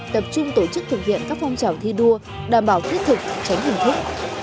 tập trung tổ chức thực hiện các phong trào thi đua đảm bảo thiết thực tránh hình thức